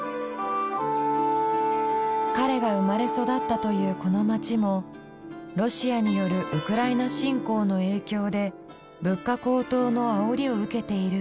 彼が生まれ育ったというこの街もロシアによるウクライナ侵攻の影響で物価高騰のあおりを受けているという。